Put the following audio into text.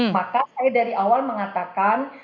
maka saya dari awal mengatakan